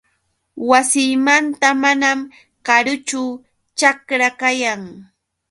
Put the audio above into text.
Wasiymanta manam karuchu ćhakra kayan.